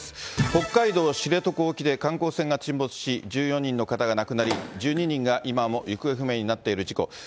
北海道知床沖で観光船が沈没し、１４人の方が亡くなり、１２人が今も行方不明になっている事故。